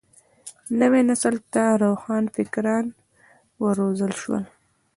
نوي نسل ته روښان فکران وروزل شول.